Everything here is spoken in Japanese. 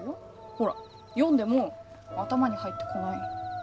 ほら読んでも頭に入ってこないの。